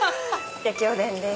焼きおでんです。